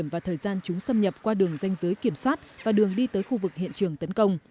và thời gian chúng xâm nhập qua đường danh giới kiểm soát và đường đi tới khu vực hiện trường tấn công